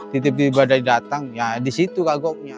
tiba tiba badai datang ya disitu kagoknya